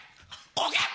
コケッ！